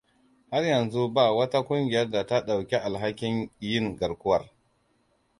Har yanzu ba wata ƙungiyar da ta ɗauki alhakin yin garkuwar.